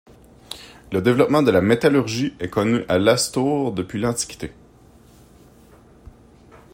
Le développement de la métallurgie est connue à Lastours depuis l'Antiquité.